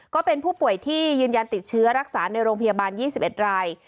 ก็เป็นผู้ป่วยที่ยืนยันติดเชื้อรักษาในโรงพยาบาล๒๑ราย